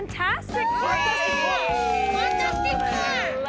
ファンタスティック！わ！